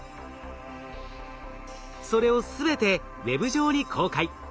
それを全てＷＥＢ上に公開。